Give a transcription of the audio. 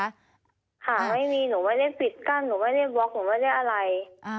ค่ะไม่มีหนูไม่ได้ปิดกั้นหนูไม่ได้บล็อกหนูไม่ได้อะไร